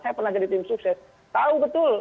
saya pernah jadi tim sukses tahu betul